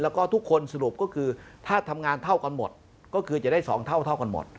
แล้วก็ทุกคนสรุปก็คือถ้าทำงานเท่ากันหมดก็คือจะได้๒เท่ากันหมด